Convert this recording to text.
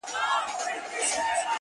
وجود دې ستا وي زه د عقل له ښيښې وځم’